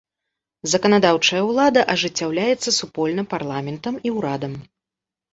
Заканадаўчая ўлада ажыццяўляецца супольна парламентам і ўрадам.